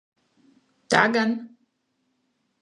Tā gan.